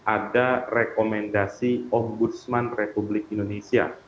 ada rekomendasi ombudsman republik indonesia